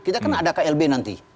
kita kan ada klb nanti